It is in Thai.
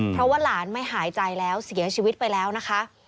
เพราะว่าหลานไม่หายใจแล้วเสียชีวิตไปแล้วนะคะ